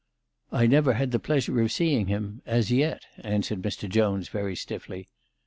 " I never had the pleasure of seeing him, as yet/' answered Mr. Jones, very stiffly.